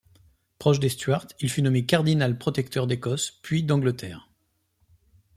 Proche des Stuart, il fut nommé cardinal-protecteur d'Écosse, puis d'Angleterre.